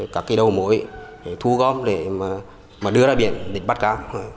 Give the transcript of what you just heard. các cái đầu mối để thu gom để mà đưa ra biển đánh bắt cá